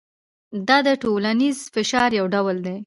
دا د ټولنیز فشار یو ډول دی.